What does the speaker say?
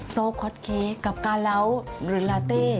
ซัลล์คอร์สเค้กกับกาเลาหรือลาเต้